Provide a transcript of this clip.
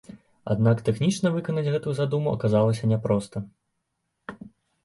Аднак тэхнічна выканаць гэтую задуму аказалася няпроста.